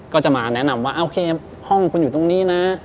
ก็จะมาแนะนำว่าโอเคห้องคุณอยู่ตรงนี้นะ